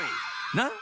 なっ？